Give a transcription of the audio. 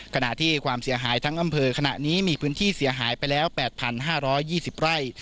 ขณะที่ความเสียหายทั้งอำเภอขณะนี้มีพื้นที่เสียหายไปแล้ว๘๕๒๐ไร่